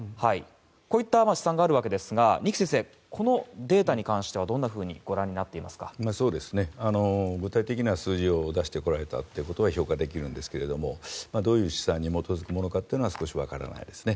こういった試算があるわけですが二木先生、このデータに関してはどうご覧になっていますか？具体的な数字を出してきたということは評価できるんですけどもどういう試算に基づくものかというのは少しわからないですね。